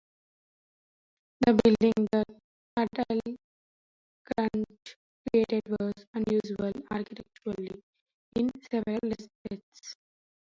The building that Adelcrantz created was unusual architecturally in several respects.